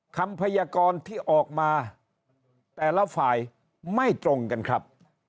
พยากรที่ออกมาแต่ละฝ่ายไม่ตรงกันครับ